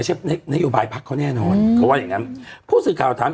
หืมหืมหืมหืม